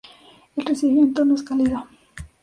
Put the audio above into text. El recibimiento no es cálido.